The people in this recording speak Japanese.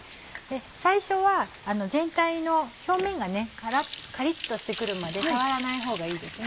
最初は全体の表面がカリっとしてくるまで触らない方がいいですね。